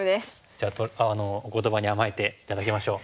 じゃあお言葉に甘えて頂きましょう。